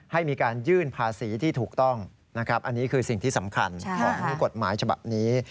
ให้มีการยื่นภาษีที่ถูกต้องนะครับอันนี้คือสิ่งที่สำคัญของกฎหมายฉบับนี้